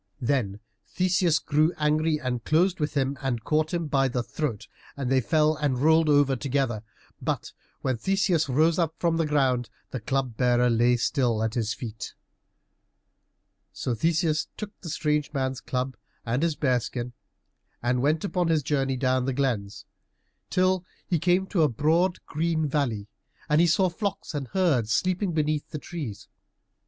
Then Theseus grew angry and closed with him, and caught him by the throat, and they fell and rolled over together. But when Theseus rose up from the ground the Club bearer lay still at his feet. So Theseus took the strange man's club and his bear skin and went upon his journey down the glens, till he came to a broad green valley, and he saw flocks and herds sleeping beneath the trees.